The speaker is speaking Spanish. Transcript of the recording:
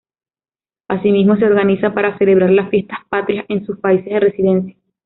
Asimismo, se organizan para celebrar las Fiestas Patrias en sus países de residencia.